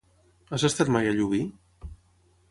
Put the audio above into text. Has estat mai a Llubí?